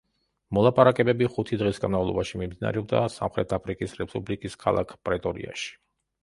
მოლაპარაკებები ხუთი დღის განმავლობაში მიმდინარეობდა სამხრეთ აფრიკის რესპუბლიკის ქალაქ პრეტორიაში.